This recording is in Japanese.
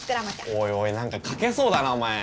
おいおい何かかけそうだなお前。